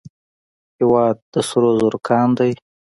هیواد د سرو زرو کان دی